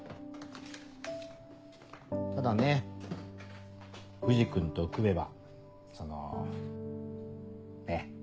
ただね藤君と組めばそのねっ。